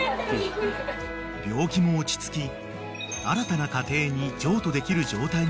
［病気も落ち着き新たな家庭に譲渡できる状態になったぎん］